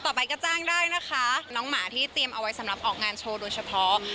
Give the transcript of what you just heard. ไปก็จ้างได้นะคะน้องหมาที่เตรียมเอาไว้สำหรับออกงานโชว์โดยเฉพาะ